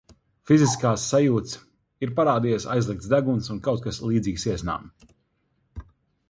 Fiziskās sajūtas - ir parādījies aizlikts deguns un kaut kas līdzīgs iesnām.